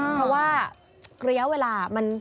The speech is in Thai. เพราะว่าระยะเวลามัน